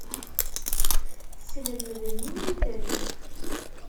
Teslemdem-iyi-ten.